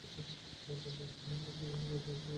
লন্ঠনের মতো বহু বাতি তাতে ঝুলে আছে।